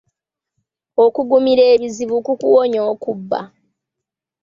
Okugumira ebizibu kukuwonya okubba.